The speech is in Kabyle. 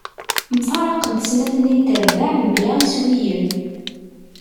Mfaraqent snat-nni n trebbaɛ mebla iswiyen.